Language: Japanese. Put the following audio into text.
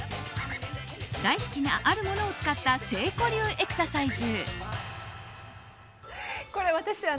大好きなあるものを使った誠子流エクササイズ。